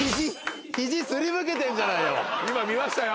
今見ましたよ。